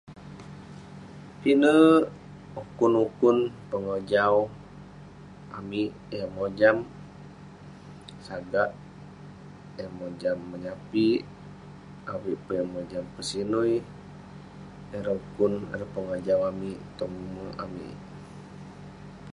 Pinek ukun ukun, pengojaubamik..yah mojam sagak, eh mojam menyapik, avik peh eh mojam pesinui, ireh ukun, ireh pengojau amik tong umerk amik..